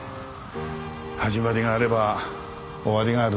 始まりがあれば終わりがある。